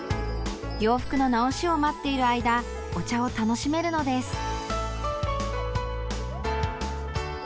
洋服の直しを待っている間お茶を楽しめるのです。